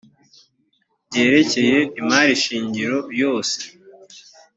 byerekeye imari shingiro yose